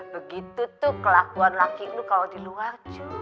begitu tuh kelakuan laki lu kalo di luar